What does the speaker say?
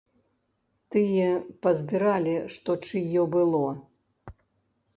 Тыя пазбіралі, што чыё было.